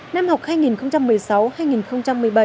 năm học hai nghìn một mươi sáu hai nghìn một mươi bảy